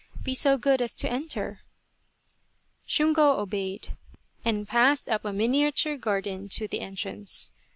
Be so good as to enter !" Shunko obeyed, and passed up a miniature garden to the entrance.